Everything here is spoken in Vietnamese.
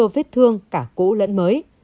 vết thương cả cũ lẫn mới